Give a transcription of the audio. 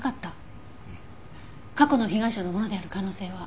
過去の被害者のものである可能性は？